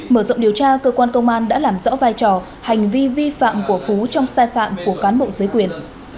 mở rộng điều tra cơ quan công an đã làm rõ vai trò hành vi vi phạm của phú trong sai phạm của cán bộ giới quyền